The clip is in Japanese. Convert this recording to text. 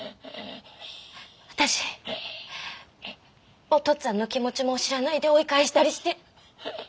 私お父っつぁんの気持ちも知らないで追い返したりして。